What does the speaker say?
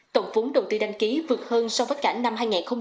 tổng phốn đầu tư đăng ký vượt hơn so với cả năm hai nghìn hai mươi ba